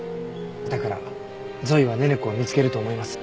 だからゾイは寧々子を見つけると思います。